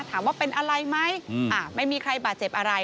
ถามว่าเป็นอะไรไหมไม่มีใครบาดเจ็บอะไร